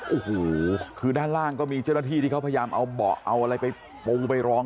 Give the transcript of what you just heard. โอ้โหคือด้านล่างก็มีเจ้าหน้าที่ที่เขาพยายามเอาเบาะเอาอะไรไปปูไปรอง